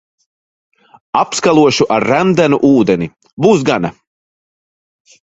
Apskalošu ar remdenu ūdeni, būs gana.